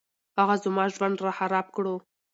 هغه زما ژوند راخراب کړو